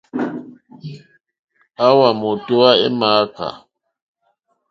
Àwà mòtówá é !mááká.